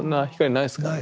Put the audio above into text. ないですね。